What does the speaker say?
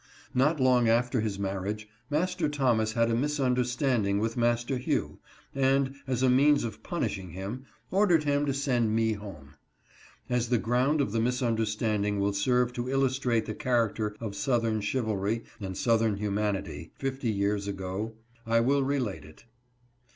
Not long after his marriage, Master Thomas had a misunderstanding with Master Hugh, and, as a means of punishing him, ordered him to send me home. As the ground of the misunderstanding will serve to illustrate the character of Southern chivalry and Southern hu manity, fifty years ago, I will relate it.